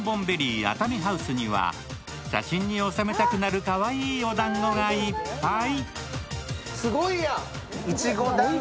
熱海ハウスには写真に収めたくなるかわいいおだんごがいっぱい。